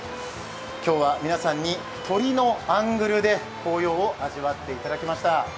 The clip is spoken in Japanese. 今日は皆さんに鳥のアングルで紅葉を味わっていただきました。